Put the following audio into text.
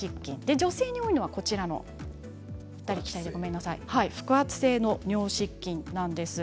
女性に多いのは腹圧性の尿失禁なんですね。